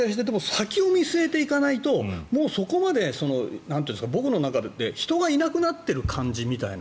先を見据えてやっていかないと僕の中で人がいなくなっている感じみたいな。